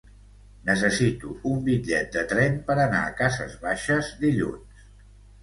Necessito un bitllet de tren per anar a Cases Baixes dilluns.